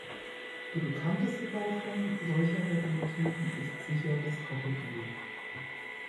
Die bekannteste Bauform solcher Lokomotiven ist sicher das Krokodil.